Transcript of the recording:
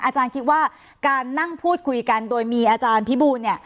อาจารย์คิดว่าการนั่งพูดคุยกันโดยมีอาจารย์พิบูลเนี่ย